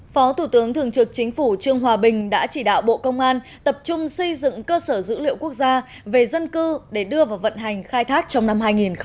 phó thủ tướng thường trực chính phủ trương hòa bình đã chỉ đạo bộ công an tập trung xây dựng cơ sở dữ liệu quốc gia về dân cư để đưa vào vận hành khai thác trong năm hai nghìn hai mươi